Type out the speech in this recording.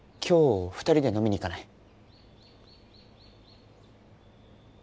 今日２人で飲みに行かない？